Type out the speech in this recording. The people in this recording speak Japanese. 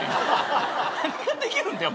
何ができるんだよ